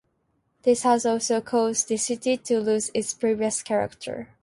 This has also caused the city to lose its previous character.